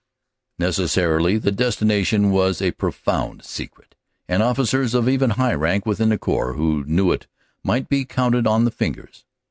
Necessarily the destination was a profound secret, and officers of even high rank within the Corps who knew it might be counted on the fingers.